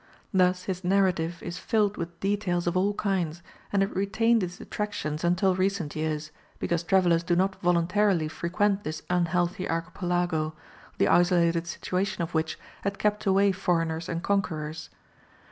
Thus his narrative is filled with details of all kinds, and had retained its attractions until recent years, because travellers do not voluntarily frequent this unhealthy archipelago, the isolated situation of which had kept away foreigners and conquerors.